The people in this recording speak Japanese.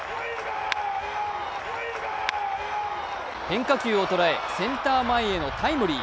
変化球を捉え、センター前へのタイムリー。